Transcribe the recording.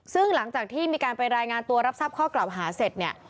ซึ่งหลังจากที่มีการไปรายงานตัวรับทราบข้อกล่าวหาเสร็จเนี่ย